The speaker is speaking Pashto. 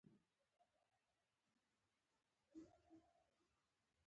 زه غواړم د راتلونکي کال لپاره نوي هدفونه وټاکم.